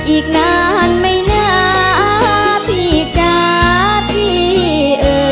อีกนานไม่เหนือพี่จะพี่เออเออ